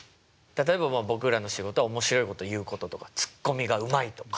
例えばまあ僕らの仕事は面白いこと言うこととかツッコミがうまいとか。